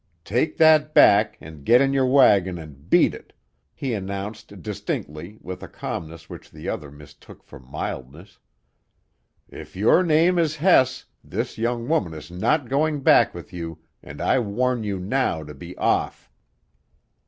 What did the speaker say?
"Take that back and get in your wagon and beat it," he announced distinctly, with a calmness which the other mistook for mildness. "If your name is Hess, this young woman is not going back with you, and I warn you now to be off."